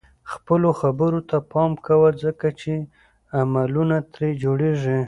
خپلو خبرو ته پام کوه ځکه چې عملونه ترې جوړيږي.